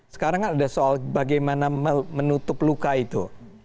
sekarang kan ada soal bagaimana menutup luka itu